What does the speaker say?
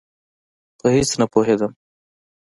په هېڅ نه پوهېدم.